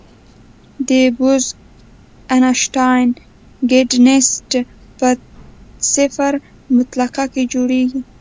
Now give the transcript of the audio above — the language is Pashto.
د بوز-اینشټاین کنډنسیټ په صفر مطلق کې جوړېږي.